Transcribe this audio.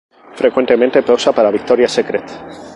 Frecuentemente posa para Victoria's Secret.